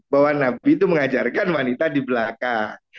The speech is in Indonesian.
bahwa nabi itu mengajarkan wanita di belakang